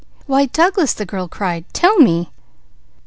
"Why Douglas!" the girl cried. "Tell me!"